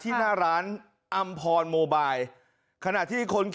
ที่หน้าร้านอัมท์มอบายขณะที่คนนี้